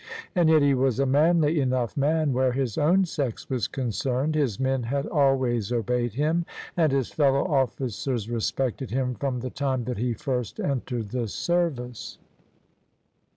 And yet he was a manly enough man where his own sex was concerned : his men had always obeyed him and his fellow officers respected him from the time that he first entered the service.